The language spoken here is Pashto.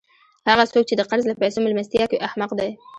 هغه څوک، چي د قرض له پېسو میلمستیا کوي؛ احمق دئ!